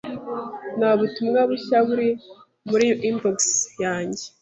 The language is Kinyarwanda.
Nta butumwa bushya buri muri inbox yanjye.